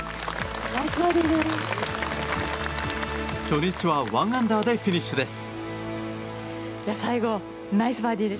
初日は１アンダーでフィニッシュです。